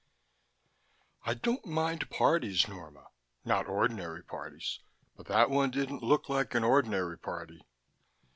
5 "I don't mind parties, Norma, not ordinary parties. But that one didn't look like an ordinary party."